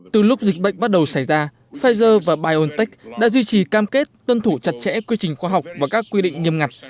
từ lúc dịch bệnh bắt đầu xảy ra pfizer và biontech đã duy trì cam kết tuân thủ chặt chẽ quy trình chống dịch bệnh